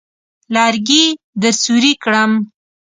لرګي درسوري کړم.